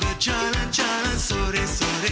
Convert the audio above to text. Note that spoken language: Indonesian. berjalan jalan sore sore